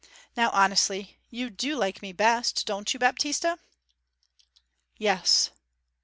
Now, honestly; you do like me best, don't you, Baptista?' 'Yes.'